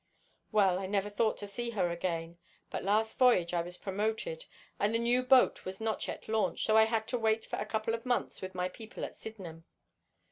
"Well, I never thought to see her again; but last voyage I was promoted, and the new boat was not yet launched, so I had to wait for a couple of months with my people at Sydenham.